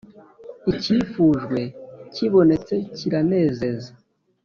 icyifujwe kibonetse kiranezeza